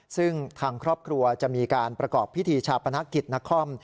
ซึ่งทางครอบครัวจะมีการประกอบพิธีชาปนกิจนคร